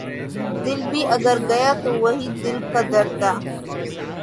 دل بھی اگر گیا تو وہی دل کا درد تھا